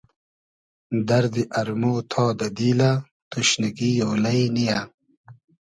دئردی ارمۉ تا دۂ دیلۂ توشنیگی اۉلݷ نییۂ